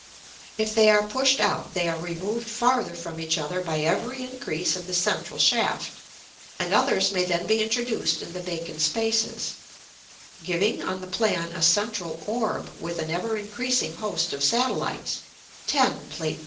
If they are pushed out, they are removed farther from each other by every increase of the central shaft; and others may then be introduced in the vacant spaces; giving, on the plan, a central orb with an ever increasing host of satellites, 10, Plate II.